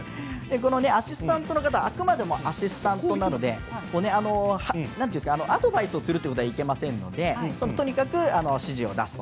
このアシスタントの方はあくまでアシスタントなのでアドバイスをするということはいけませんのでとにかく指示を出すと。